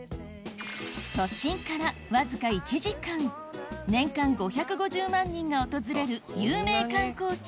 都心からわずか１時間年間５５０万人が訪れる有名観光地